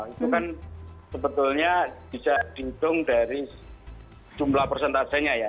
itu kan sebetulnya bisa didung dari jumlah prosentasenya ya